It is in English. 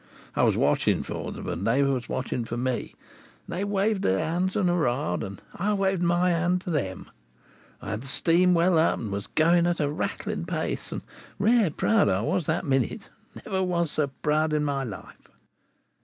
I was watching for them and they was watching for me, and they waved their hands and hoora'd, and I waved my hand to them. I had the steam well up, and was going at a rattling pace, and rare proud I was that minute. Never was so proud in my life!